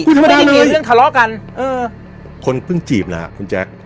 คุณธรรมดาเรื่องขะเลาะกันเออคนเพิ่งจีบแล้วคุณแจ๊คครับ